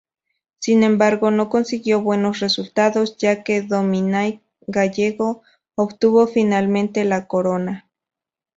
Sin embargo, no consiguió buenos resultados, ya que Dominique Gallego obtuvo finalmente la corona.